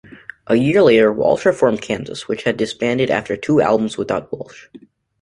A year later, Walsh reformed Kansas, which had disbanded after two albums without Walsh.